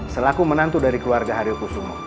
selaku menantu dari keluarga haryo kusumo